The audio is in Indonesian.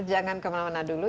jangan kemana mana dulu